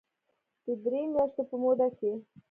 د درې مياشتو په موده کې